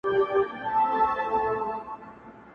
اور به یې سبا د شیش محل پر لمن وګرځي-